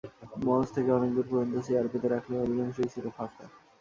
মঞ্চ থেকে অনেক দূর পর্যন্ত চেয়ার পেতে রাখলেও অধিকাংশই ছিল ফাঁকা।